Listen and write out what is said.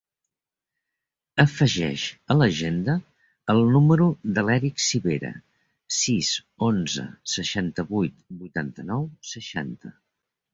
Afegeix a l'agenda el número de l'Erick Civera: sis, onze, seixanta-vuit, vuitanta-nou, seixanta.